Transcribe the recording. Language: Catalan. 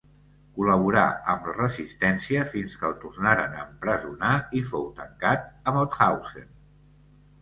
Col·laborà amb la Resistència fins que el tornaren a empresonar i fou tancat a Mauthausen.